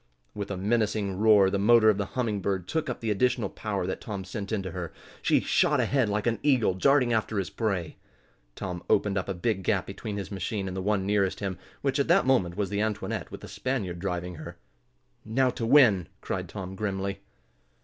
With a menacing roar the motor of the Humming Bird took up the additional power that Tom sent into her. She shot ahead like an eagle darting after his prey. Tom opened up a big gap between his machine and the one nearest him, which, at that moment, was the Antoinette, with the Spaniard driving her. "Now to win!" cried Tom, grimly.